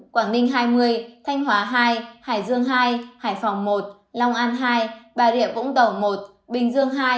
quảng ninh hai mươi thanh hóa hai hải dương hai hải phòng một long an hai bà rịa vũng tàu một bình dương hai